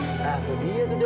nah tuh dia tuh dia